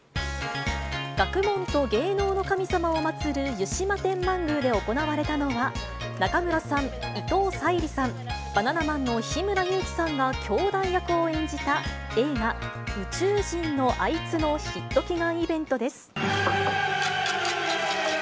学問と芸能の神様を祭る湯島天満宮で行われたのは、中村さん、伊藤沙莉さん、バナナマンの日村勇紀さんがきょうだい役を演じた、映画、宇宙人のあいつのヒット祈願イベントです。